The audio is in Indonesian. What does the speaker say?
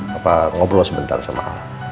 papa ngobrol sebentar sama al